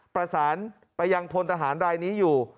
ประสานไปยังพลทหารรายนี้อยู่